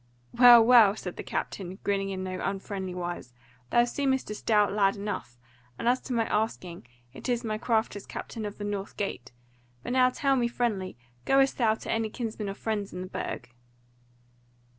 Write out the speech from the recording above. "Well, well," said the captain, grinning in no unfriendly wise, "thou seemest a stout lad enough; and as to my asking, it is my craft as captain of the North Gate: but now tell me friendly, goest thou to any kinsman or friend in the Burg?"